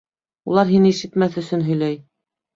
Улар һине ишетмәҫ өсөн һөйләй.